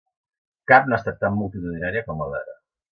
Cap no ha estat tan multitudinària com la d’ara.